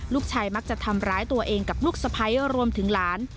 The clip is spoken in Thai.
ลูกชายมักจะทำร้ายตัวเองกับลูกสะพ้ายรวมถึงหลาน